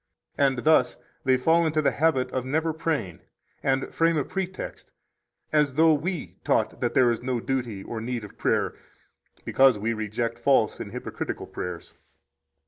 And thus they fall into the habit of never praying, and frame a pretext, as though we taught that there is no duty or need of prayer, because we reject false and hypocritical prayers.